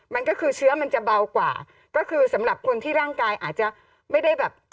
มันก็คือเชื้อมันจะเบากว่าก็คือสำหรับคนที่ร่างกายอาจจะไม่ได้แบบ